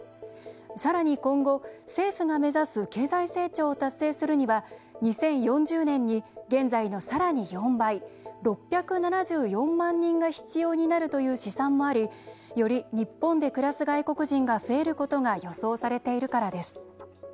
さらに今後、政府が目指す経済成長を達成するには２０４０年に現在のさらに４倍６７４万人が必要になるという試算もありより日本で暮らす外国人が増えることが予想されているからです。